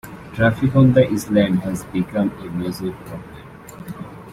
Traffic on the island has become a major problem.